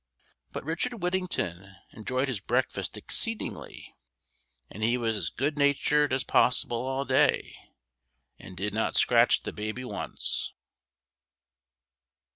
But Richard Whittington enjoyed his breakfast exceedingly; and he was as good natured as possible all day, and did not scratch the baby once.